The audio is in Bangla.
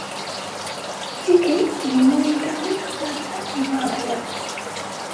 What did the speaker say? একে লিঙ্গ নির্ধারণে তাপমাত্রার-নির্ভরতা বলে।